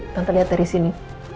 tante lihat dari sini